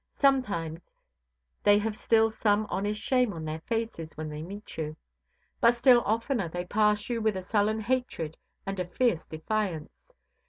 Sometimes they have still some honest shame on their faces when they meet you; but still oftener they pass you with a sullen hatred and a fierce defiance.